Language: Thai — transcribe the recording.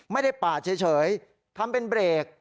ไม่ได้ปาดเฉยทำเป็นเบรก